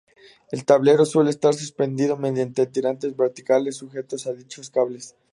El tablero suele estar suspendido mediante tirantes verticales sujetos a dichos cables.